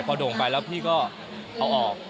พอโด่งไปแล้วพี่ก็เอาออก